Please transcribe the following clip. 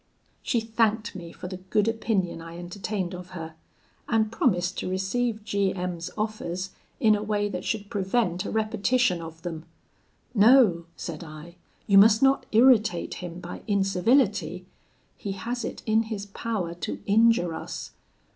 "She thanked me for the good opinion I entertained of her, and promised to receive G M 's offers in a way that should prevent a repetition of them. 'No,' said I, 'you must not irritate him by incivility: he has it in his power to injure us.